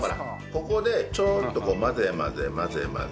ここでちょっとこう混ぜ混ぜ混ぜ混ぜ。